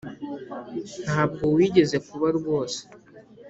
ntabwo wigeze kuba rwose